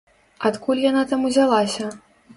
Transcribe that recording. Адкуль яна там узялася?